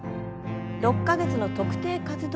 ６か月の特定活動